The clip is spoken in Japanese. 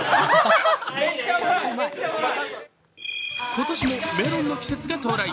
今年もメロンの季節が到来。